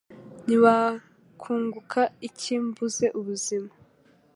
nti Wakunguka iki mbuze ubuzima?